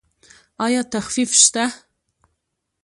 ایا تخفیف شته؟